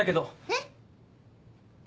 えっ？